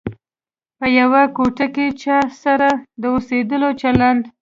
په یوه کوټه کې چا سره د اوسېدلو چلند.